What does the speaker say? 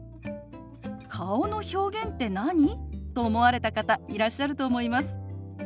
「顔の表現って何？」と思われた方いらっしゃると思います。